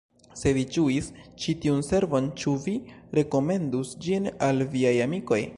"Se vi ĝuis ĉi tiun servon ĉu vi rekomendus ĝin al viaj amikoj!